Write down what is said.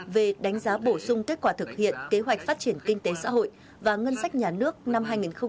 về đánh giá bổ sung kết quả thực hiện kế hoạch phát triển kinh tế xã hội và ngân sách nhà nước năm hai nghìn một mươi chín